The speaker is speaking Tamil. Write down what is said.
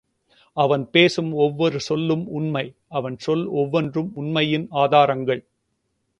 அவன்பேசும் ஒவ்வொரு சொல்லும் உண்மை அவன் சொல் ஒவ்வொன்றும் உண்மையின் ஆதாரங்கள்!